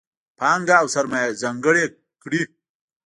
پانګه او سرمایه ځانګړې کړي.